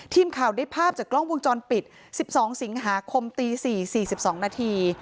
ทีมข่าวได้ภาพจากกล้องวงจรปิด๑๒สิงหาคมตี๔๔๒นาที